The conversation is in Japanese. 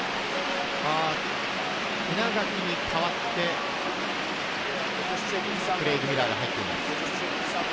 稲垣に代わってクレイグ・ミラーが入っています。